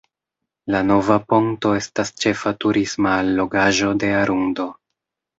La "Nova Ponto" estas ĉefa turisma allogaĵo de Arundo.